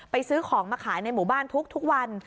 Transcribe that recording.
ซื้อของมาขายในหมู่บ้านทุกวัน